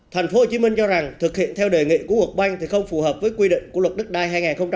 thành phố hồ chí minh cho rằng thực hiện theo đề nghị của world bank thì không phù hợp với quy định của luật đất đai hai nghìn một mươi ba